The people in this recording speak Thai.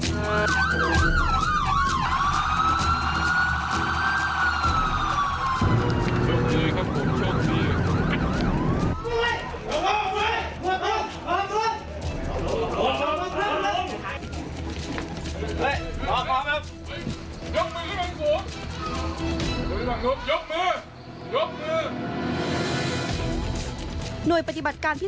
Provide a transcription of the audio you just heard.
หน่วยปฏิบัติการพิเศษคอมมันโดกล้องประคับการปราบปรามนำกำลังชุดปฏิบัติการพิเศษซะยบริขุสถานเข้าสูตรโหมบาเลศที่๓๔มูลที่๒อำเภอลำลุกาจังหวัดปทุมธานี